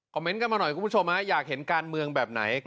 เมนต์กันมาหน่อยคุณผู้ชมอยากเห็นการเมืองแบบไหน